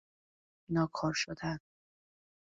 ناکار شدن